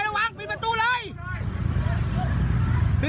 กระทั่งตำรวจก็มาด้วยนะคะ